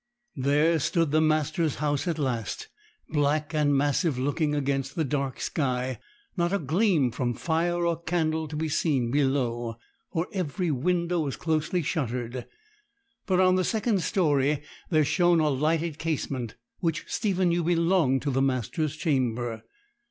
There stood the master's house at last, black and massive looking against the dark sky; not a gleam from fire or candle to be seen below, for every window was closely shuttered; but on the second storey there shone a lighted casement, which Stephen knew belonged to the master's chamber.